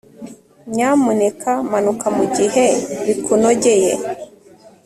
Nyamuneka manuka mugihe bikunogeye